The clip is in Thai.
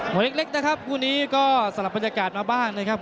เล็กนะครับคู่นี้ก็สลับบรรยากาศมาบ้างนะครับ